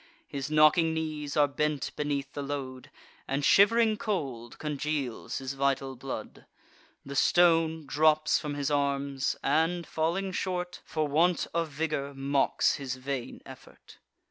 His knocking knees are bent beneath the load, And shiv'ring cold congeals his vital blood. The stone drops from his arms, and, falling short For want of vigour, mocks his vain effort.